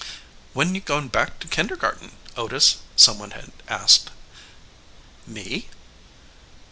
"When you going back to kindergarten, Otis?" some one had asked. "Me?